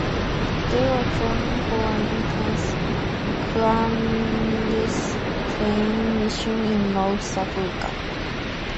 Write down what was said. They were training for an intense clandestine mission in North Africa.